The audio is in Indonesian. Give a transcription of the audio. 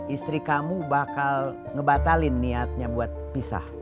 istri kamu bakal ngebatalin niatnya buat pisah